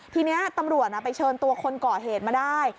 ทีนี้ตำรวจไปเชิญตัวคนก่อเหตุมาได้